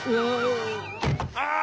ああ。